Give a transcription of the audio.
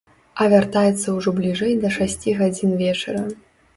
А вяртаецца ўжо бліжэй да шасці гадзін вечара.